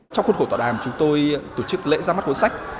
trong khuôn khổ tọa đàm chúng tôi tổ chức lễ ra mắt cuốn sách